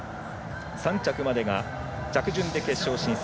３着までが着順で決勝進出。